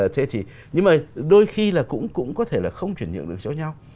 thế thì nhưng mà đôi khi là cũng có thể là không chuyển nhượng được cho nhau